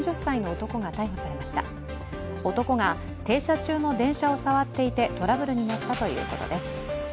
男が停車中の電車を触っていてトラブルになったということです。